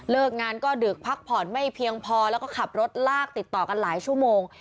งานก็ดึกพักผ่อนไม่เพียงพอแล้วก็ขับรถลากติดต่อกันหลายชั่วโมง